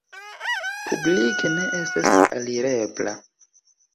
Publike ne estas alirebla.